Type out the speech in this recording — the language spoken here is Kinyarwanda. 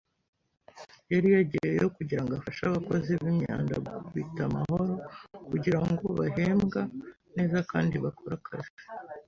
Yari yagiyeyo kugirango afashe abakozi b’imyanda gukubita amahoro kugirango bahembwa neza kandi bakore akazi